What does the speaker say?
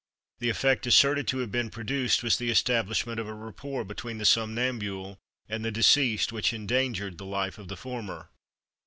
The effect asserted to have been produced was the establishment of a rapport between the somnambule and the deceased which endangered the life of the former.